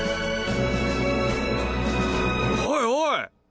おいおい！